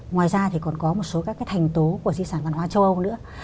ngoài ra thì còn có một số các cái thành tố của di sản văn hóa châu âu nữa